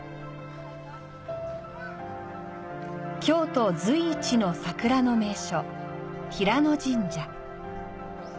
京都随一の桜の名所、平野神社。